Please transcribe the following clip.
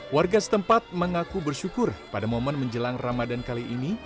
warga setempat mengaku bersyukur pada momen menjelang ramadan kali ini